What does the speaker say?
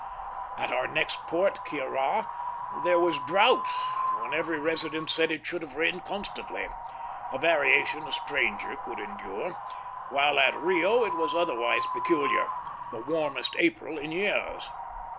At our next port, Ciará, there was drought when every resident said it should have rained constantly a variation a stranger could endure; while at Rio it was otherwise peculiar "the warmest April in years."